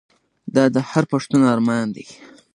دا د هر پښتون ارمان دی.